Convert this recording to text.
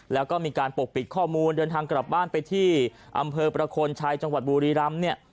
แล้วก็มีการปกปิดข้อมูลเดินทางกลับบ้านไปที่อำเภอประโคนชัยจังหวัดบุรีรำเนี่ย